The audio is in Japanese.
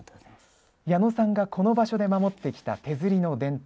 矢野さんがこの場所で守ってきた手刷りの伝統。